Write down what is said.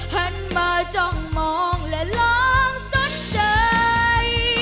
หันมาจ้องมองและลองสนใจ